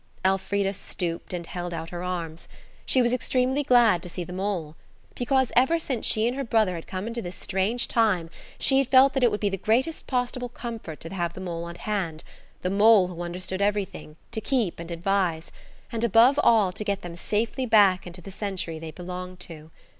Elfrida stooped and held out her arms. She was extremely glad to see the mole. Because ever since she and her brother had come into this strange time she had felt that it would be the greatest possible comfort to have the mole at hand–the mole, who understood everything, to keep and advise; and, above all, to get them safely back into the century they belonged to.